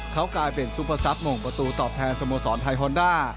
เขากลายเป็นซุปเปอร์ซับหม่งประตูตอบแทนสโมสรไทยฮอนด้า